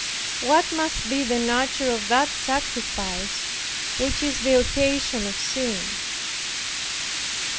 What must be the nature of that sacrifice which is the occasion of sin!